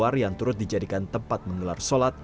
di area luar yang turut dijadikan tempat mengular sholat